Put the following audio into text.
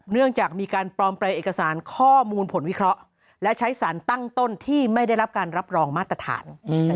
เนื่องจากมีการปลอมแปลงเอกสารข้อมูลผลวิเคราะห์และใช้สารตั้งต้นที่ไม่ได้รับการรับรองมาตรฐาน